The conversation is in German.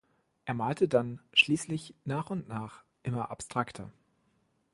Er malte dann schließlich nach und nach immer abstrakter.